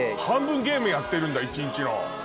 半分ゲームやってるんだ一日の。